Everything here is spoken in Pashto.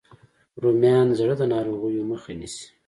رومیان د زړه د ناروغیو مخه نیسي